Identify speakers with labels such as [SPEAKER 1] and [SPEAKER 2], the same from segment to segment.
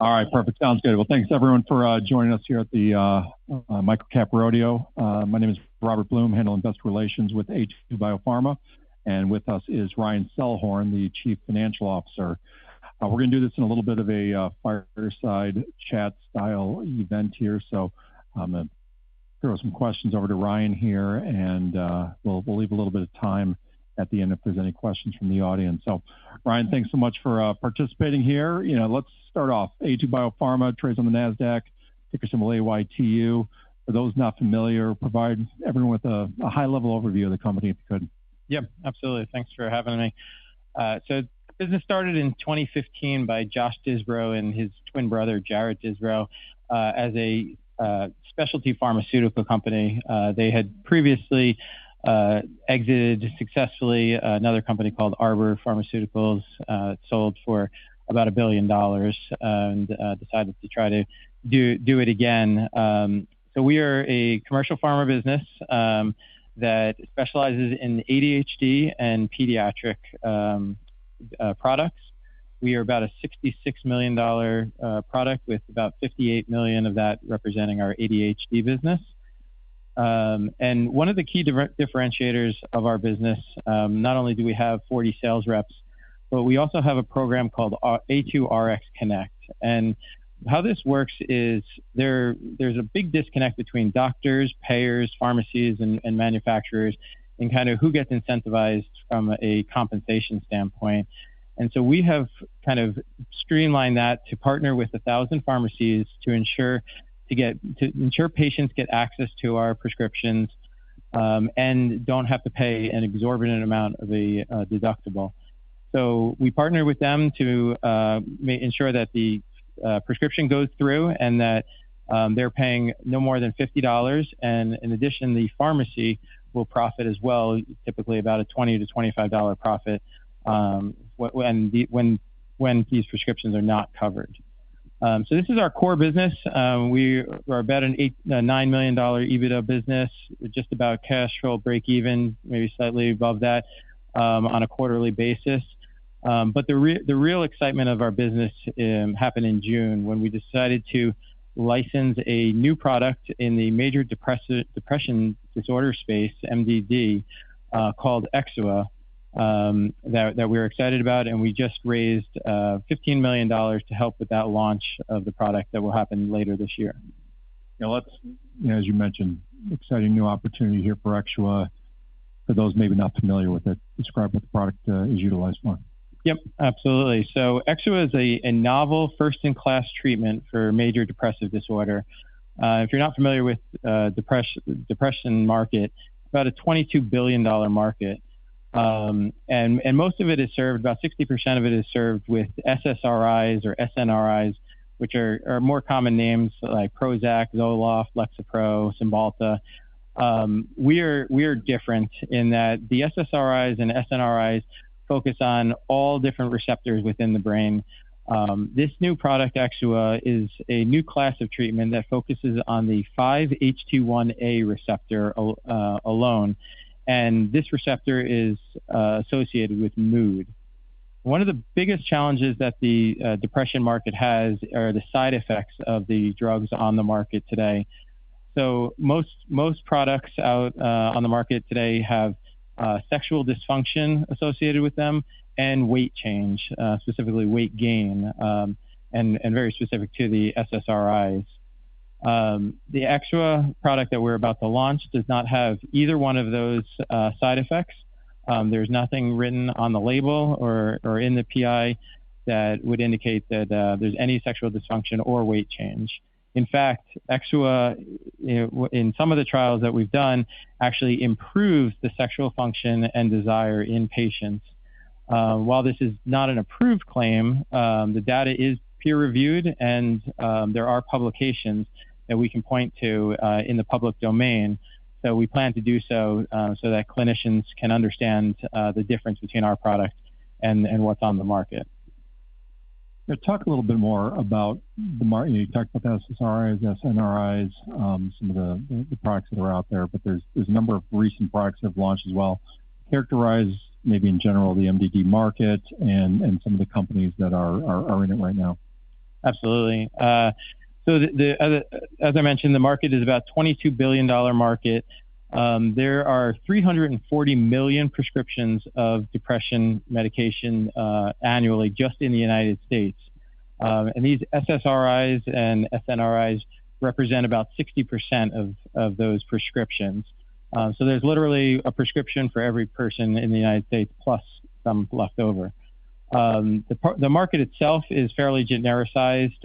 [SPEAKER 1] All right, perfect. Sounds good. Thanks, everyone, for joining us here at the Microcap Rodeo. My name is Robert Blum, handling investor relations with Aytu BioPharma, and with us is Ryan Selhorn, the Chief Financial Officer. We're going to do this in a little bit of a fireside chat style event here, so I'm going to throw some questions over to Ryan here, and we'll leave a little bit of time at the end if there's any questions from the audience. Ryan, thanks so much for participating here. Let's start off. Aytu BioPharma trades on the Nasdaq, ticker symbol AYTU. For those not familiar, provide everyone with a high-level overview of the company if you could.
[SPEAKER 2] Yeah, absolutely. Thanks for having me. So, the business started in 2015 by Josh Disbrow and his twin brother, Jarrett Disbrow, as a specialty pharmaceutical company. They had previously exited successfully another company called Arbor Pharmaceuticals, sold for about $1 billion, and decided to try to do it again. So, we are a commercial pharma business that specializes in ADHD and pediatric products. We are about a $66 million product, with about $58 million of that representing our ADHD business. And one of the key differentiators of our business, not only do we have 40 sales reps, but we also have a program called A2Rx Connect. And how this works is there's a big disconnect between doctors, payers, pharmacies, and manufacturers in kind of who gets incentivized from a compensation standpoint. We have kind of streamlined that to partner with 1,000 pharmacies to ensure patients get access to our prescriptions and don't have to pay an exorbitant amount of a deductible. We partner with them to ensure that the prescription goes through and that they're paying no more than $50. In addition, the pharmacy will profit as well, typically about a $20-$25 profit when these prescriptions are not covered. This is our core business. We are about a $9 million EBITDA business, just about cash flow break-even, maybe slightly above that on a quarterly basis. The real excitement of our business happened in June when we decided to license a new product in the major depressive disorder space, MDD, called Exxua, that we were excited about. We just raised $15 million to help with that launch of the product that will happen later this year.
[SPEAKER 1] Yeah, let's, as you mentioned, exciting new opportunity here for Exxua. For those maybe not familiar with it, describe what the product is utilized for.
[SPEAKER 2] Yep, absolutely. So, Exxua is a novel, first-in-class treatment for major depressive disorder. If you're not familiar with the depression market, about a $22 billion market. And most of it is served, about 60% of it is served with SSRIs or SNRIs, which are more common names like Prozac, Zoloft, Lexapro, Cymbalta. We are different in that the SSRIs and SNRIs focus on all different receptors within the brain. This new product, Exxua, is a new class of treatment that focuses on the 5-HT1A receptor alone. And this receptor is associated with mood. One of the biggest challenges that the depression market has are the side effects of the drugs on the market today. So, most products out on the market today have sexual dysfunction associated with them and weight change, specifically weight gain, and very specific to the SSRIs. The Exxua product that we're about to launch does not have either one of those side effects. There's nothing written on the label or in the PI that would indicate that there's any sexual dysfunction or weight change. In fact, Exxua, in some of the trials that we've done, actually improves the sexual function and desire in patients. While this is not an approved claim, the data is peer-reviewed, and there are publications that we can point to in the public domain, so we plan to do so so that clinicians can understand the difference between our product and what's on the market.
[SPEAKER 1] Talk a little bit more about the market. You talked about the SSRIs, SNRIs, some of the products that are out there, but there's a number of recent products that have launched as well. Characterize, maybe in general, the MDD market and some of the companies that are in it right now?
[SPEAKER 2] Absolutely. So, as I mentioned, the market is about a $22 billion market. There are 340 million prescriptions of depression medication annually just in the United States. And these SSRIs and SNRIs represent about 60% of those prescriptions. So, there's literally a prescription for every person in the United States, plus some leftover. The market itself is fairly genericized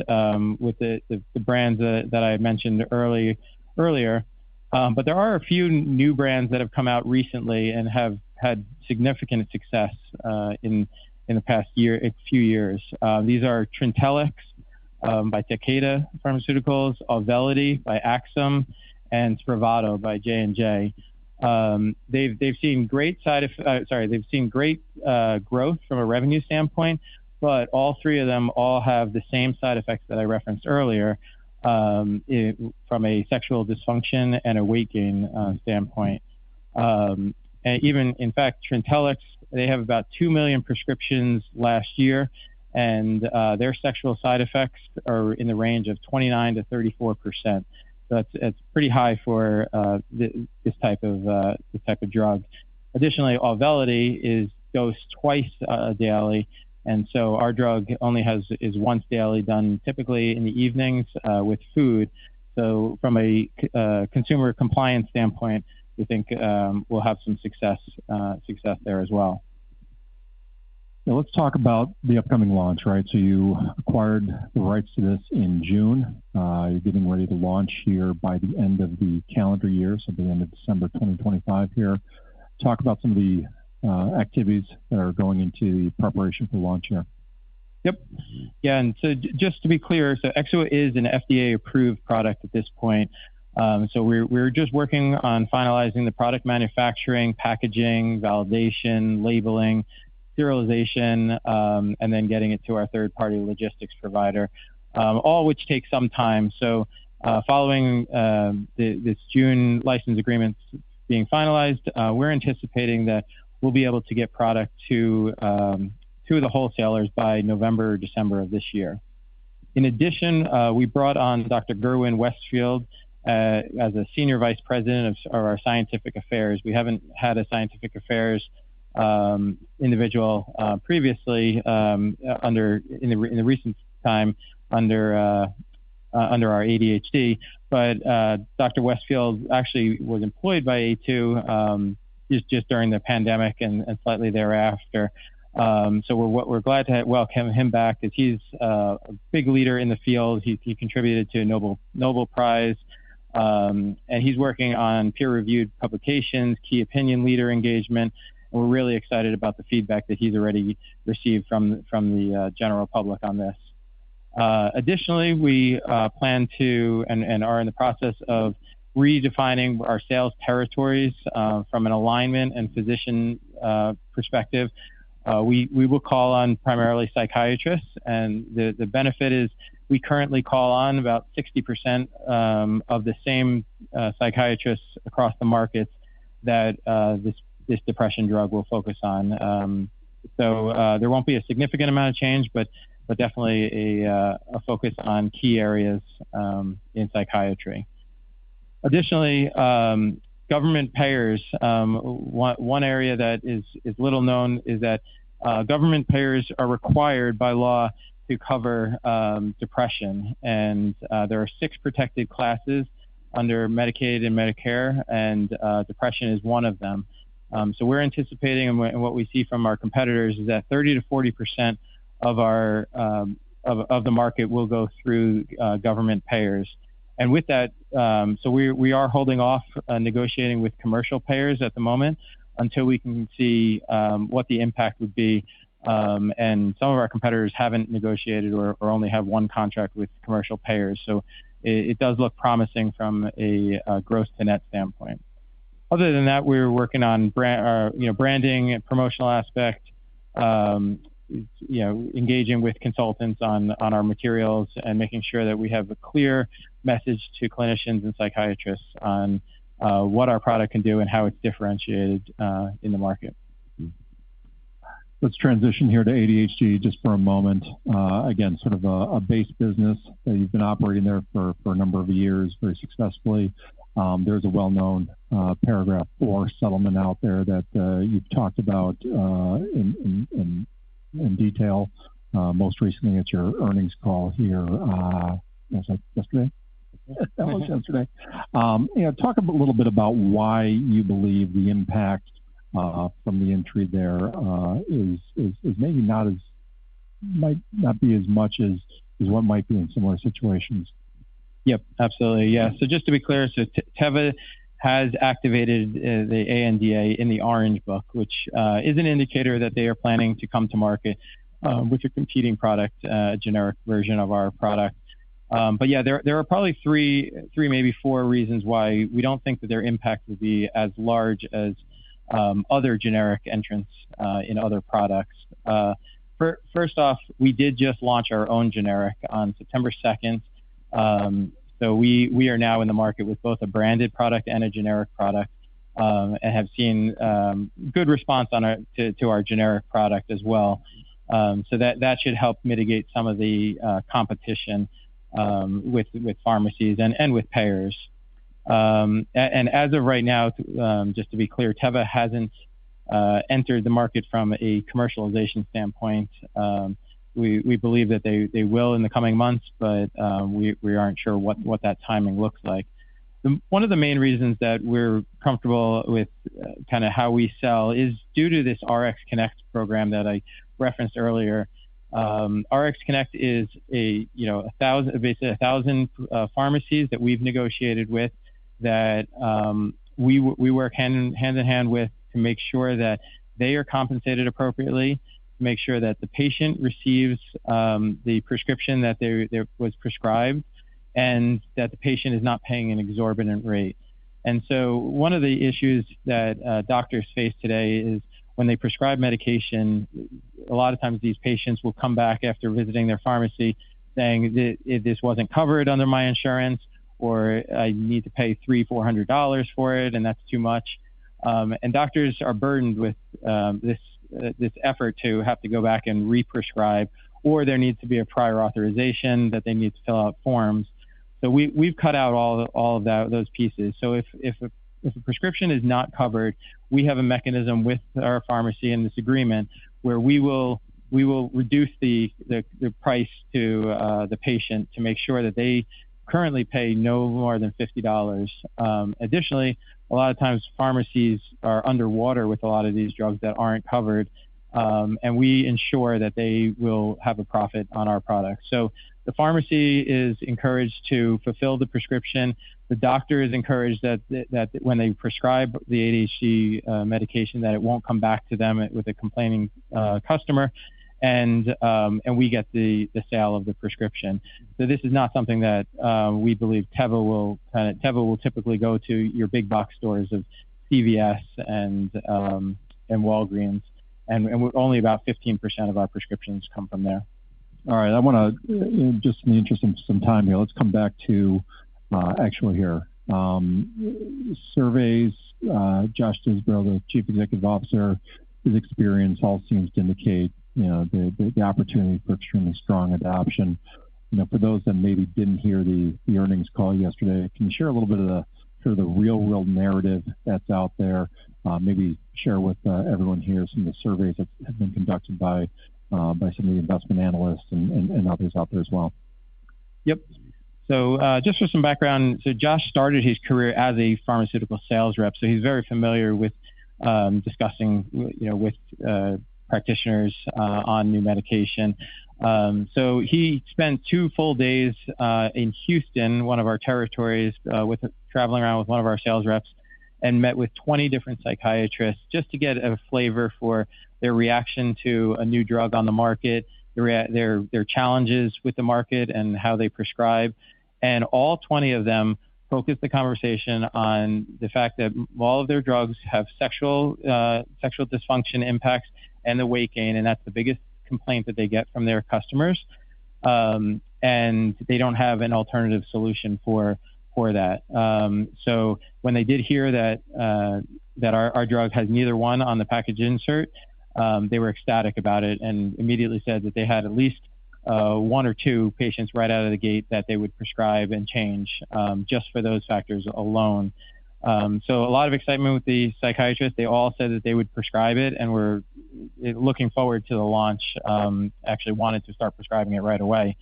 [SPEAKER 2] with the brands that I mentioned earlier. But there are a few new brands that have come out recently and have had significant success in the past few years. These are Trintellix by Takeda Pharmaceuticals, Auvelity by Axsome, and Spravato by J&J. They've seen great side effects, sorry, they've seen great growth from a revenue standpoint, but all three of them all have the same side effects that I referenced earlier from a sexual dysfunction and a weight gain standpoint. And even, in fact, Trintellix, they have about two million prescriptions last year, and their sexual side effects are in the range of 29%-34%. So, that's pretty high for this type of drug. Additionally, Auvelity dosed twice daily. And so, our drug only has is once daily done typically in the evenings with food. So, from a consumer compliance standpoint, we think we'll have some success there as well.
[SPEAKER 1] Now, let's talk about the upcoming launch, right? So, you acquired the rights to this in June. You're getting ready to launch here by the end of the calendar year, so the end of December 2025 here. Talk about some of the activities that are going into the preparation for launch here.
[SPEAKER 2] Yep. Yeah, and so, just to be clear, so Exxua is an FDA-approved product at this point. So, we're just working on finalizing the product manufacturing, packaging, validation, labeling, sterilization, and then getting it to our third-party logistics provider, all which takes some time. So, following this June license agreement being finalized, we're anticipating that we'll be able to get product to the wholesalers by November or December of this year. In addition, we brought on Dr. Gerwin Westfield as a senior vice president of our scientific affairs. We haven't had a scientific affairs individual previously in the recent time under our ADHD. But Dr. Westfield actually was employed by Aytu just during the pandemic and slightly thereafter. So, what we're glad to welcome him back is he's a big leader in the field. He contributed to a Nobel Prize, and he's working on peer-reviewed publications, key opinion leader engagement. We're really excited about the feedback that he's already received from the general public on this. Additionally, we plan to and are in the process of redefining our sales territories from an alignment and physician perspective. We will call on primarily psychiatrists. The benefit is we currently call on about 60% of the same psychiatrists across the market that this depression drug will focus on. There won't be a significant amount of change, but definitely a focus on key areas in psychiatry. Additionally, government payers, one area that is little known, is that government payers are required by law to cover depression. There are six protected classes under Medicaid and Medicare, and depression is one of them. We're anticipating, and what we see from our competitors is that 30%-40% of the market will go through government payers. And with that, we are holding off negotiating with commercial payers at the moment until we can see what the impact would be. Some of our competitors haven't negotiated or only have one contract with commercial payers. It does look promising from a gross-to-net standpoint. Other than that, we're working on branding, promotional aspect, engaging with consultants on our materials, and making sure that we have a clear message to clinicians and psychiatrists on what our product can do and how it's differentiated in the market.
[SPEAKER 1] Let's transition here to ADHD just for a moment. Again, sort of a base business that you've been operating there for a number of years very successfully. There's a well-known patent or settlement out there that you've talked about in detail most recently at your earnings call here yesterday.
[SPEAKER 2] That was yesterday.
[SPEAKER 1] Talk a little bit about why you believe the impact from the entry there is maybe not as much as what might be in similar situations.
[SPEAKER 2] Yep, absolutely. Yeah. So, just to be clear, Teva has activated the ANDA in the Orange Book, which is an indicator that they are planning to come to market with a competing product, a generic version of our product. But yeah, there are probably three, maybe four reasons why we don't think that their impact will be as large as other generic entrants in other products. First off, we did just launch our own generic on September 2nd. So, we are now in the market with both a branded product and a generic product and have seen good response to our generic product as well. So, that should help mitigate some of the competition with pharmacies and with payers. And as of right now, just to be clear, Teva hasn't entered the market from a commercialization standpoint. We believe that they will in the coming months, but we aren't sure what that timing looks like. One of the main reasons that we're comfortable with kind of how we sell is due to this Rx Connect program that I referenced earlier. Rx Connect is basically 1,000 pharmacies that we've negotiated with that we work hand in hand with to make sure that they are compensated appropriately, to make sure that the patient receives the prescription that was prescribed and that the patient is not paying an exorbitant rate. One of the issues that doctors face today is when they prescribe medication. A lot of times these patients will come back after visiting their pharmacy saying, "This wasn't covered under my insurance," or, "I need to pay $300, $400 for it, and that's too much." Doctors are burdened with this effort to have to go back and represcribe, or there needs to be a prior authorization that they need to fill out forms. We've cut out all of those pieces. If a prescription is not covered, we have a mechanism with our pharmacy in this agreement where we will reduce the price to the patient to make sure that they currently pay no more than $50. Additionally, a lot of times pharmacies are underwater with a lot of these drugs that aren't covered, and we ensure that they will have a profit on our product. So, the pharmacy is encouraged to fulfill the prescription. The doctor is encouraged that when they prescribe the ADHD medication that it won't come back to them with a complaining customer, and we get the sale of the prescription. So, this is not something that we believe Teva will typically go to your big box stores of CVS and Walgreens. And only about 15% of our prescriptions come from there.
[SPEAKER 1] All right. I want to just in the interest of some time here, let's come back to Exxua here. Surveys, Josh Disbrow, the Chief Executive Officer, his experience all seems to indicate the opportunity for extremely strong adoption. For those that maybe didn't hear the earnings call yesterday, can you share a little bit of the real-world narrative that's out there? Maybe share with everyone here some of the surveys that have been conducted by some of the investment analysts and others out there as well.
[SPEAKER 2] Yep. So, just for some background, so Josh started his career as a pharmaceutical sales rep. So, he's very familiar with discussing with practitioners on new medication. So, he spent two full days in Houston, one of our territories, traveling around with one of our sales reps and met with 20 different psychiatrists just to get a flavor for their reaction to a new drug on the market, their challenges with the market, and how they prescribe. And all 20 of them focused the conversation on the fact that all of their drugs have sexual dysfunction impacts and the weight gain, and that's the biggest complaint that they get from their customers. And they don't have an alternative solution for that. So, when they did hear that our drug has neither one on the package insert, they were ecstatic about it and immediately said that they had at least one or two patients right out of the gate that they would prescribe and change just for those factors alone. So, a lot of excitement with the psychiatrists. They all said that they would prescribe it and were looking forward to the launch, actually wanted to start prescribing it right away.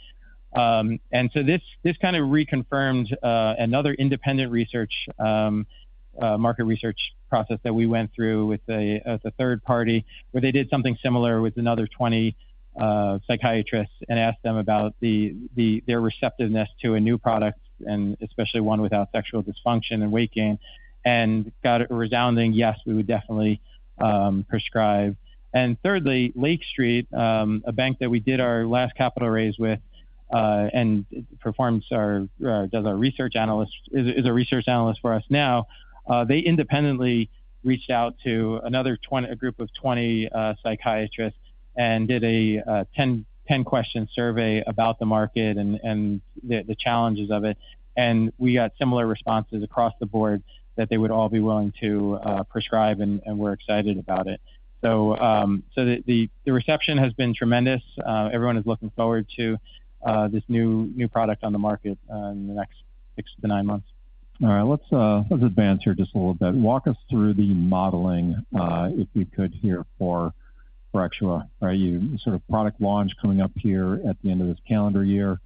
[SPEAKER 2] And so, this kind of reconfirmed another independent research market research process that we went through with a third party where they did something similar with another 20 psychiatrists and asked them about their receptiveness to a new product, and especially one without sexual dysfunction and weight gain, and got a resounding yes, we would definitely prescribe. And thirdly, Lake Street, a bank that we did our last capital raise with and does our research. Our research analyst is a research analyst for us now. They independently reached out to another group of 20 psychiatrists and did a 10-question survey about the market and the challenges of it. And we got similar responses across the board that they would all be willing to prescribe, and we're excited about it. So, the reception has been tremendous. Everyone is looking forward to this new product on the market in the next six to nine months.
[SPEAKER 1] All right. Let's advance here just a little bit. Walk us through the modeling, if we could, here for Exxua, right? You sort of product launch coming up here at the end of this calendar year.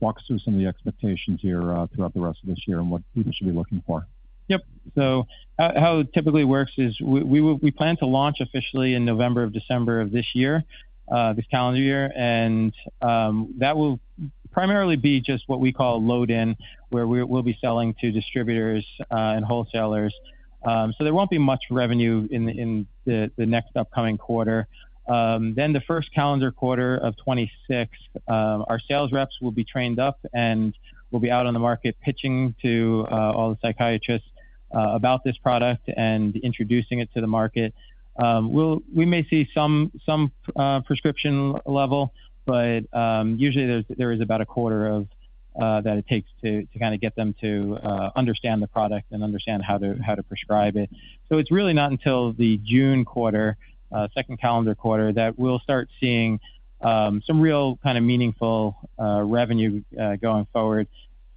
[SPEAKER 1] Walk us through some of the expectations here throughout the rest of this year and what people should be looking for.
[SPEAKER 2] Yep. So, how it typically works is we plan to launch officially in November or December of this year, this calendar year. And that will primarily be just what we call load-in, where we'll be selling to distributors and wholesalers. So, there won't be much revenue in the next upcoming quarter. Then, the first calendar quarter of 2026, our sales reps will be trained up and will be out on the market pitching to all the psychiatrists about this product and introducing it to the market. We may see some prescription level, but usually there is about a quarter of that it takes to kind of get them to understand the product and understand how to prescribe it. So, it's really not until the June quarter, second calendar quarter, that we'll start seeing some real kind of meaningful revenue going forward.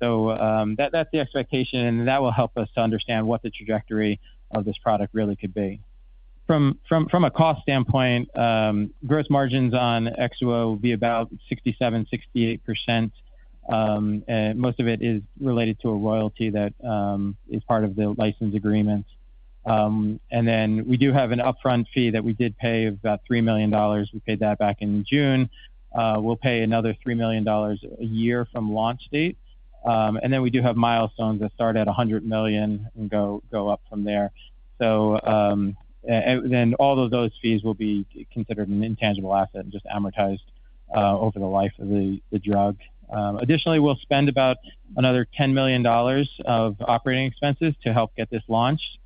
[SPEAKER 2] That's the expectation, and that will help us to understand what the trajectory of this product really could be. From a cost standpoint, gross margins on Exxua will be about 67%-68%. Most of it is related to a royalty that is part of the license agreement. And then we do have an upfront fee that we did pay of about $3 million. We paid that back in June. We'll pay another $3 million a year from launch date. And then we do have milestones that start at $100 million and go up from there. So, then all of those fees will be considered an intangible asset and just amortized over the life of the drug. Additionally, we'll spend about another $10 million of operating expenses to help get this launched,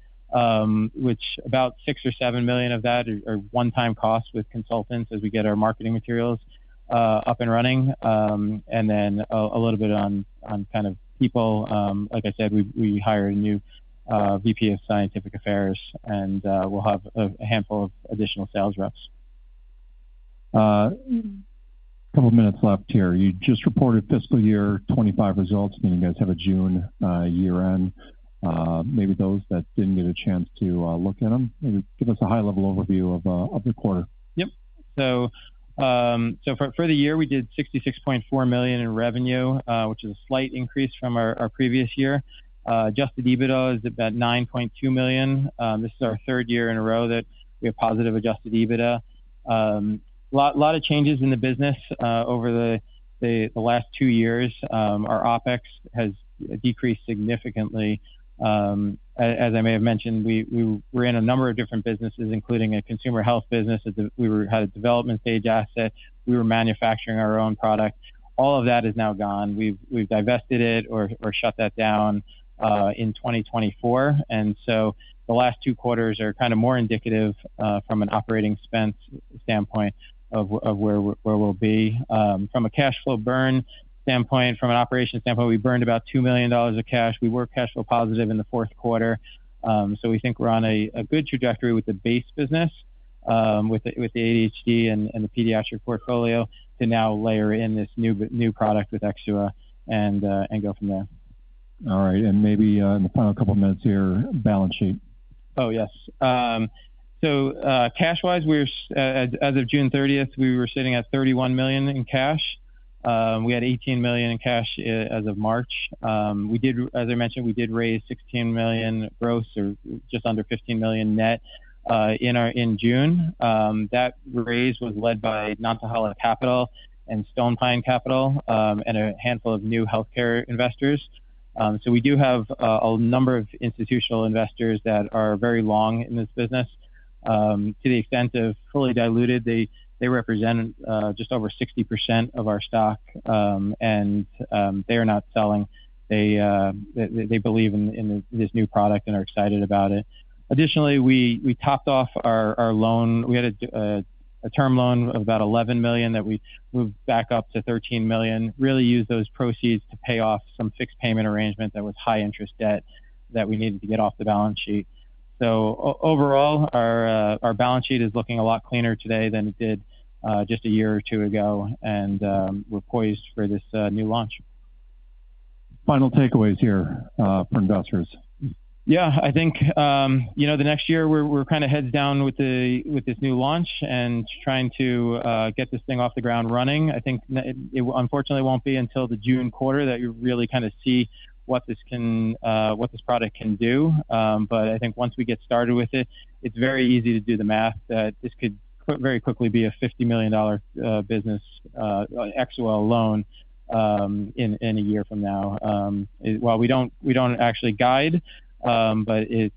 [SPEAKER 2] which about $6 million or $7 million of that are one-time costs with consultants as we get our marketing materials up and running, and then a little bit on kind of people. Like I said, we hire a new VP of scientific affairs, and we'll have a handful of additional sales reps.
[SPEAKER 1] A couple of minutes left here. You just reported fiscal year 2025 results, meaning you guys have a June year-end. Maybe those that didn't get a chance to look at them, maybe give us a high-level overview of the quarter.
[SPEAKER 2] Yep, so for the year, we did $66.4 million in revenue, which is a slight increase from our previous year. Adjusted EBITDA is about $9.2 million. This is our third year in a row that we have positive adjusted EBITDA. A lot of changes in the business over the last two years. Our OpEx has decreased significantly. As I may have mentioned, we were in a number of different businesses, including a consumer health business. We had a development-stage asset. We were manufacturing our own product. All of that is now gone. We've divested it or shut that down in 2024, and so the last two quarters are kind of more indicative from an operating expense standpoint of where we'll be. From a cash flow burn standpoint, from an operation standpoint, we burned about $2 million of cash. We were cash flow positive in the fourth quarter. We think we're on a good trajectory with the base business with the ADHD and the pediatric portfolio to now layer in this new product with Exxua and go from there.
[SPEAKER 1] All right, and maybe in the final couple of minutes here, balance sheet.
[SPEAKER 2] Oh, yes, so cash-wise, as of June 30th, we were sitting at $31 million in cash. We had $18 million in cash as of March. As I mentioned, we did raise $16 million gross or just under $15 million net in June. That raise was led by Nantahala Capital and Stonepine Capital and a handful of new healthcare investors, so we do have a number of institutional investors that are very long in this business. To the extent of fully diluted, they represent just over 60% of our stock, and they are not selling. They believe in this new product and are excited about it. Additionally, we topped off our loan. We had a term loan of about $11 million that we moved back up to $13 million, really used those proceeds to pay off some fixed payment arrangement that was high-interest debt that we needed to get off the balance sheet. So, overall, our balance sheet is looking a lot cleaner today than it did just a year or two ago, and we're poised for this new launch.
[SPEAKER 1] Final takeaways here for investors.
[SPEAKER 2] Yeah. I think the next year, we're kind of heads down with this new launch and trying to get this thing off the ground running. I think, unfortunately, it won't be until the June quarter that you really kind of see what this product can do. But I think once we get started with it, it's very easy to do the math that this could very quickly be a $50 million business, Exxua alone, in a year from now. Well, we don't actually guide, but when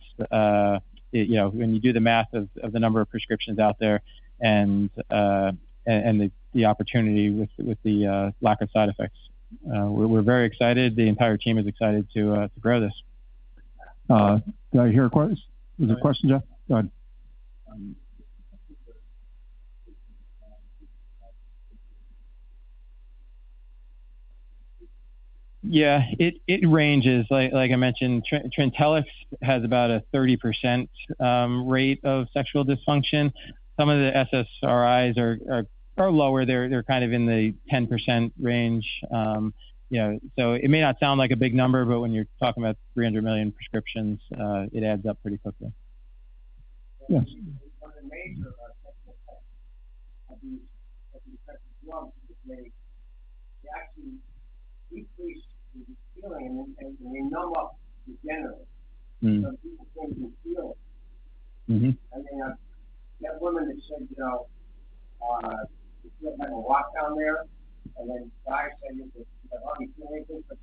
[SPEAKER 2] you do the math of the number of prescriptions out there and the opportunity with the lack of side effects, we're very excited. The entire team is excited to grow this.
[SPEAKER 1] Did I hear a question? Was it a question, Jeff? Go ahead.
[SPEAKER 2] Yeah. It ranges. Like I mentioned, Trintellix has about a 30% rate of sexual dysfunction. Some of the SSRIs are lower. They're kind of in the 10% range. So, it may not sound like a big number, but when you're talking about 300 million prescriptions, it adds up pretty quickly.
[SPEAKER 1] Yes. When the major drugs were made, they actually increased the feeling, and they numb up the genitals. Some people can't even feel it. I mean, that woman that said that she had a lockdown there, and then the guy said that she had all these feelings, it's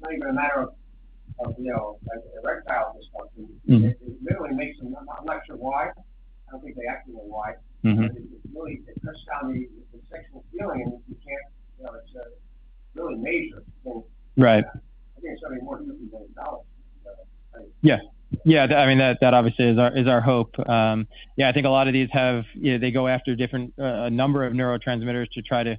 [SPEAKER 1] not even a matter of erectile dysfunction. It literally makes them numb. I'm not sure why. I don't think they actually know why. But it really puts down the sexual feeling, and you can't really measure. I think it's probably more than $50 million. Yes.
[SPEAKER 2] Yeah. I mean, that obviously is our hope. Yeah. I think a lot of these have, they go after a number of neurotransmitters to try to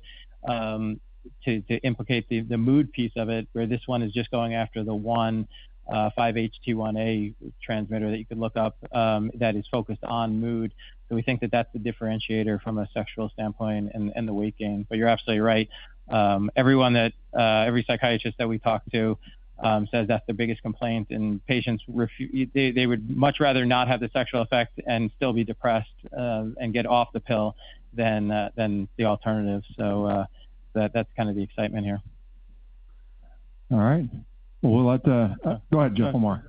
[SPEAKER 2] implicate the mood piece of it, where this one is just going after the one 5-HT1A transmitter that you could look up that is focused on mood. So, we think that that's the differentiator from a sexual standpoint and the weight gain. But you're absolutely right. Every psychiatrist that we talk to says that's the biggest complaint, and patients, they would much rather not have the sexual effects and still be depressed and get off the pill than the alternative. So, that's kind of the excitement here.
[SPEAKER 1] All right, well, go ahead, Jeff, one more.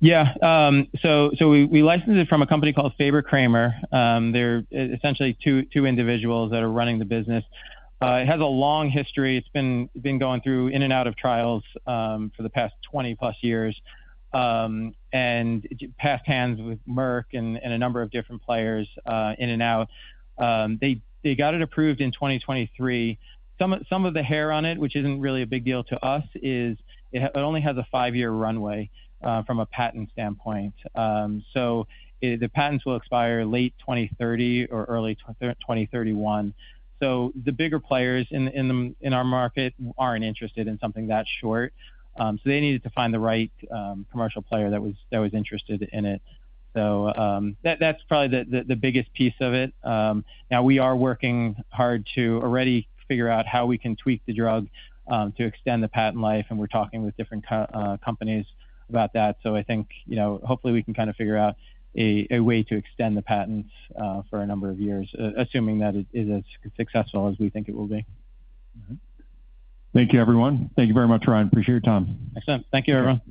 [SPEAKER 2] Yeah. So, we licensed it from a company called Fabre-Kramer. They're essentially two individuals that are running the business. It has a long history. It's been going through in and out of trials for the past 20-plus years and passed hands with Merck and a number of different players in and out. They got it approved in 2023. Some of the hair on it, which isn't really a big deal to us, is it only has a five-year runway from a patent standpoint. So, the patents will expire late 2030 or early 2031. So, the bigger players in our market aren't interested in something that short. So, that's probably the biggest piece of it. Now, we are working hard to already figure out how we can tweak the drug to extend the patent life, and we're talking with different companies about that. So, I think hopefully we can kind of figure out a way to extend the patents for a number of years, assuming that it is as successful as we think it will be.
[SPEAKER 1] All right. Thank you, everyone. Thank you very much, Ryan. Appreciate your time.
[SPEAKER 2] Excellent. Thank you, everyone.